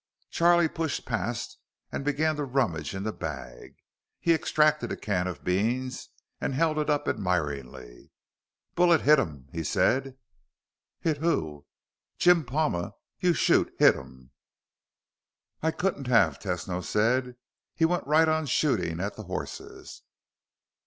Charlie pushed past and began to rummage in the bags. He extracted a can of beans and held it up admiringly. "Bullet hittum," he said. "Hit who?" "Jim Palma. You shoot. Hittum." "I couldn't have," Tesno said. "He went right on shooting at the horses."